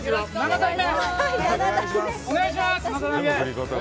お願いします。